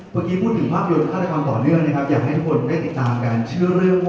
พอทีพูดถึงภาพยนต์ฆาตกรมต่อเนื่องอยากให้ทุกคนได้ติดตามการชื่อเรื่อง